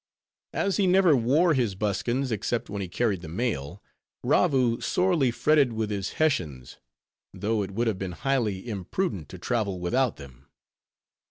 As he never wore his buskins except when he carried the mail, Ravoo sorely fretted with his Hessians; though it would have been highly imprudent to travel without them.